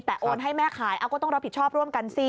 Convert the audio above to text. แต่โอนให้แม่ขายก็ต้องรับผิดชอบร่วมกันสิ